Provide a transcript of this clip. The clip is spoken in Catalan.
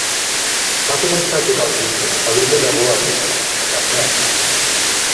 Va començar a tocar el violí a l'illa de Boa Vista, a Cap Verd.